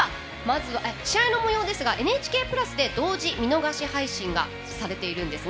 試合のもようですがＮＨＫプラスで同時・見逃し配信されているんです。